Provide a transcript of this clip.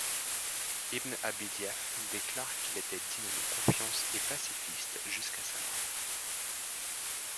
Ibn Abi Dhiaf déclare qu'il était digne de confiance et pacifiste jusqu'à sa mort.